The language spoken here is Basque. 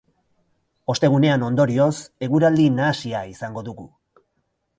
Ostegunean, ondorioz, eguraldi nahasia izango dugu.